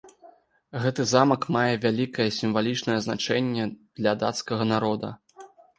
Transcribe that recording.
Гэты замак мае вялікае сімвалічнае значэнне для дацкага народа.